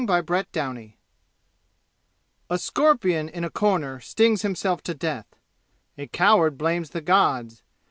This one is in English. Chapter XII A scorpion in a corner stings himself to death. A coward blames the gods.